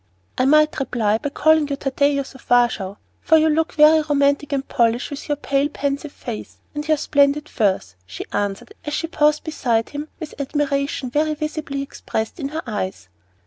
"I might reply by calling you Thaddeus of Warsaw, for you look very romantic and Polish with your pale, pensive face, and your splendid furs," she answered, as she paused beside him with admiration very visibly expressed in her eyes.